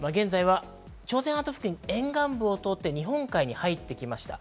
朝鮮半島付近、沿岸部を通って日本海に入ってきました。